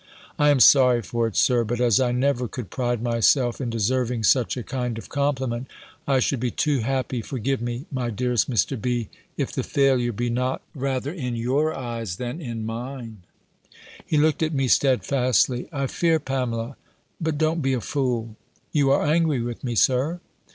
"I am sorry for it, Sir. But as I never could pride myself in deserving such a kind of compliment, I should be too happy, forgive me, my dearest Mr. B., if the failure be not rather in your eyes, than in mine." He looked at me steadfastly. "I fear, Pamela But don't be a fool." "You are angry with me. Sir?"